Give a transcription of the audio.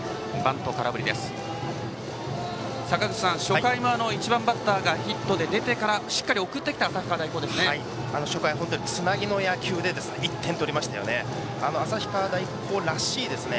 坂口さん、初回は１番バッターがヒットで出てからしっかり送ってきた初回、本当につなぎの野球で１点を取りましたよね。